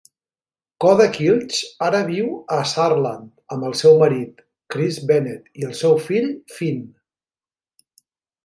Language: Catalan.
Kohde-Kilsch ara viu a Saarland amb el seu marit, Chris Bennett, i el seu fill Fynn.